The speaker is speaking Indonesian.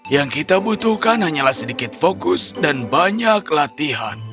yang kita butuhkan hanyalah sedikit fokus dan banyak latihan